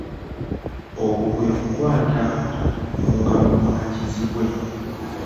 Okwo kwekukwata mu ngalo okwa kizibwe.